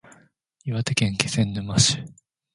岩手県気仙沼市